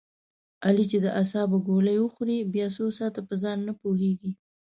علي چې د اعصابو ګولۍ و خوري بیا څو ساعته په ځان نه پوهېږي.